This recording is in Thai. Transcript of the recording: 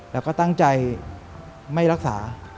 แล้วก็ตั้งใจไม่รักษา